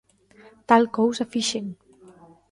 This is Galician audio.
Tal cousa fixen!